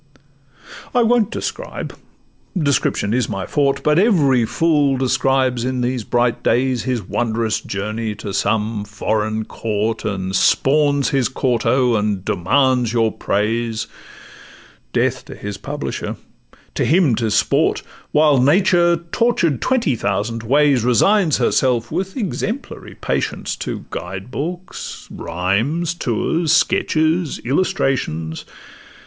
I won't describe; description is my forte, But every fool describes in these bright days His wondrous journey to some foreign court, And spawns his quarto, and demands your praise— Death to his publisher, to him 'tis sport; While Nature, tortured twenty thousand ways, Resigns herself with exemplary patience To guide books, rhymes, tours, sketches, illustrations.